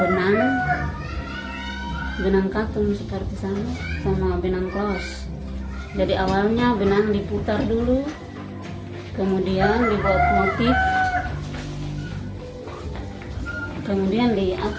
benangnya benang diputar dulu kemudian dibuat motif kemudian diatur di pohon kebangan kemudian disini kesan